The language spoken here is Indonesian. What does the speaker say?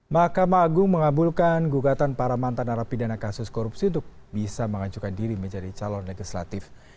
mahkamah agung mengabulkan gugatan para mantan narapidana kasus korupsi untuk bisa mengajukan diri menjadi calon legislatif